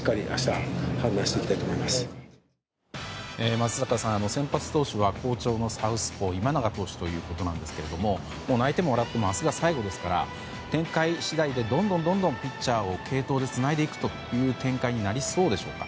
松坂さん、先発投手は好調のサウスポー今永投手ということなんですが泣いても笑っても明日が最後ですから展開次第でどんどんピッチャーを継投でつないでいく展開になりそうでしょうか。